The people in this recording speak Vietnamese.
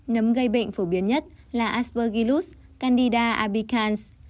nấm gây bệnh phổ biến nhất là aspergillus candida abicans